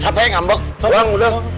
capek ngambek pulang udah